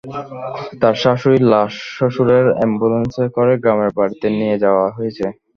তাঁর শাশুড়ির লাশ শ্বশুরের অ্যাম্বুলেন্সে করে গ্রামে বাড়িতে নিয়ে যাওয়া হয়েছে।